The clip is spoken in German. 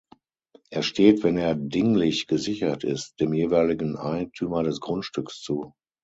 Er steht, wenn er dinglich gesichert ist, dem jeweiligen Eigentümer des Grundstücks zu.